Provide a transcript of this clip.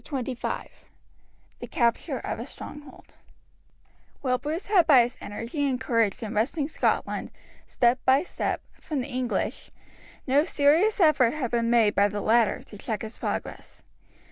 Chapter XXV The Capture of a Stronghold While Bruce had by his energy and courage been wresting Scotland, step by step, from the English, no serious effort had been made by the latter to check his progress.